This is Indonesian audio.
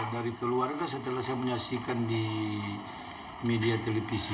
dari keluarga setelah saya menyaksikan di media televisi